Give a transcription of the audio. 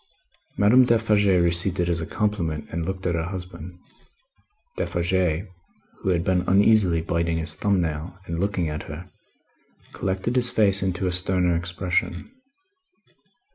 Madame Defarge received it as a compliment, and looked at her husband. Defarge, who had been uneasily biting his thumb nail and looking at her, collected his face into a sterner expression.